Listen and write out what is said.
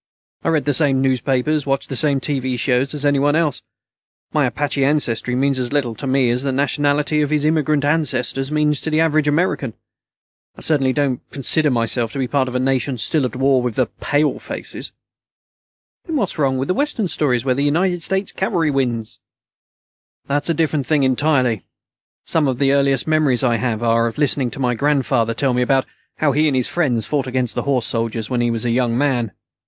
I read the same newspapers and watch the same TV shows as anyone else. My Apache ancestry means as little to me as the nationality of his immigrant ancestors means to the average American. I certainly don't consider myself to be part of a nation still at war with the 'palefaces'." "Then what's wrong with Western stories where the United States Cavalry wins?" "That's a different thing entirely. Some of the earliest memories I have are of listening to my grandfather tell me about how he and his friends fought against the horse soldiers when he was a young man.